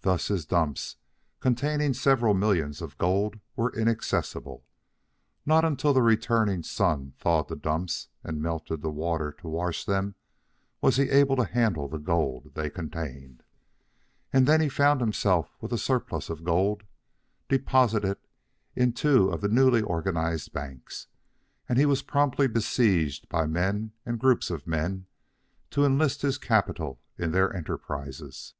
Thus his dumps, containing several millions of gold, were inaccessible. Not until the returning sun thawed the dumps and melted the water to wash them was he able to handle the gold they contained. And then he found himself with a surplus of gold, deposited in the two newly organized banks; and he was promptly besieged by men and groups of men to enlist his capital in their enterprises.